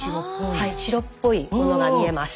はい白っぽいものが見えます。